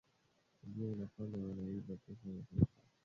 Tabia hii inafanya wanaiba pesa za serikali